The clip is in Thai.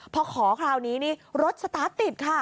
พอขอคราวนี้อุปสรรคมันสตาร์ทติดค่ะ